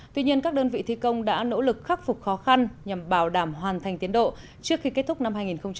tuy nhiên các đơn vị thi công đã nỗ lực khắc phục khó khăn nhằm bảo đảm hoàn thành tiến độ trước khi kết thúc năm hai nghìn hai mươi